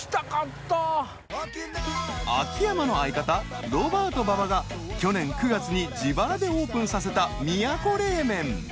秋山の相方ロバート馬場が去年９月に自腹でオープンさせた宮古冷麺